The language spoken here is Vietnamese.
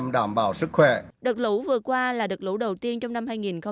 đợt lũ vừa qua là đợt lũ đầu tiên trong năm hai nghìn một mươi chín